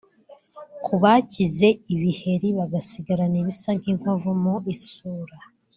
Ku bakize ibiheri bagasigarana ibisa nk’inkovu mu isura